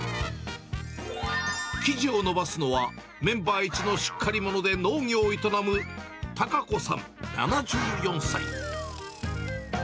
生地を伸ばすのは、メンバーいちのしっかり者で農業を営む孝子さん７４歳。